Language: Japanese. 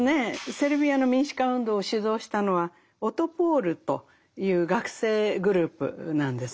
セルビアの民主化運動を主導したのは「オトポール！」という学生グループなんですね。